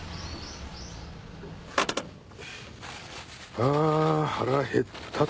ああ腹が減ったと。